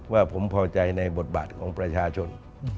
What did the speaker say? ว่าผมพอใจในบทบาทของประชาชน